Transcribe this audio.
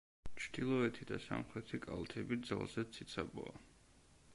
ჩრდილოეთი და სამხრეთი კალთები ძალზედ ციცაბოა.